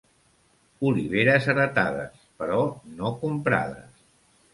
Oliveres heretades, però no comprades.